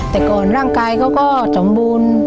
แต่ก่อนร่างกายเขาก็สมบูรณ์